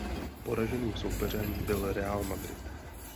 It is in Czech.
Poraženým soupeřem byl Real Madrid.